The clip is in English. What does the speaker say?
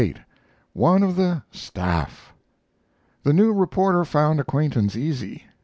XXXVIII. ONE OF THE "STAFF" The new reporter found acquaintance easy.